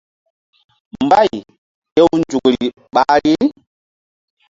Mbay hew nzukri ɓahri.